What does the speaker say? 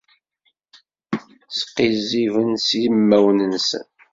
Sqizziben s yimawen-nsen.